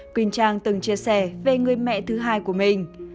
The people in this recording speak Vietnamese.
quỳnh trang từng chia sẻ về người mẹ thứ hai của mình